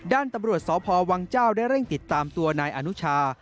ด้านตำรวจสพวังเจ้าได้เร่งติดตามตัวนายอนุชา